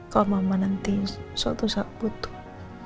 kalau mama nanti suatu saat butuh